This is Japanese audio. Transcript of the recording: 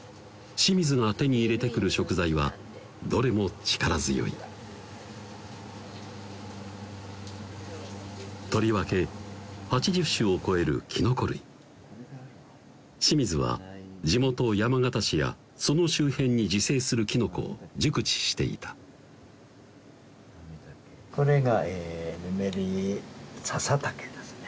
清水が手に入れてくる食材はどれも力強いとりわけ８０種を超えるきのこ類清水は地元・山県市やその周辺に自生するきのこを熟知していたこれがえヌメリササタケですね